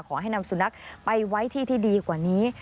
ขอให้นำสุนัขไปไว้ที่ที่ดีกว่านี้